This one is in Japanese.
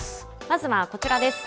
まずはこちらです。